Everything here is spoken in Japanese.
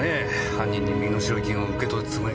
犯人に身代金を受け取るつもりがなくちゃ。